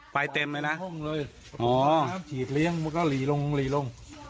ไฟเต็มเลยนะอ๋อน้ำฉีดเลี้ยงมันก็หลีลงหลีลง